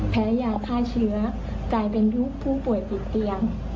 แพ้ยาฆ่าเชื้อกลายเป็นผู้ป่วยติดเตียง